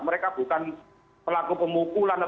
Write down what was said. mereka bukan pelaku pemukulan atau apa